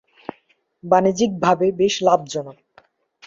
বাণিজ্যিকভাবে বেশ লাভজনক।